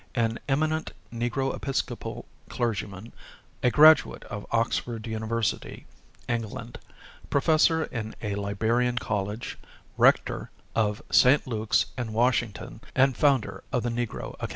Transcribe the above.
_an eminent Negro Episcopal clergyman; a graduate of Oxford University, England; professor in a Liberian College; rector of St. Luke's in Washington and founder of the Negro Academy.